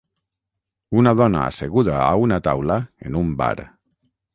Una dona asseguda a una taula en un bar.